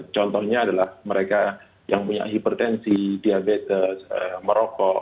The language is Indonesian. contohnya adalah mereka yang punya hipertensi diabetes merokok